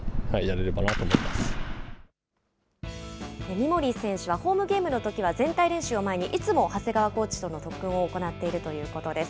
三森選手はホームゲームのときは、全体練習の前にいつも長谷川コーチとの特訓を行っているということです。